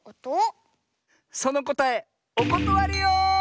そのこたえおことわりよ！